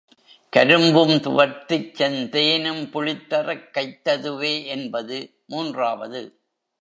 கரும்பும் துவர்த்துச் செந்தேனும் புளித்தறக் கைத் ததுவே என்பது மூன்றாவது.